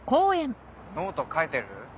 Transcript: ノート書いてる？